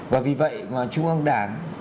và vì vậy trung ương đảng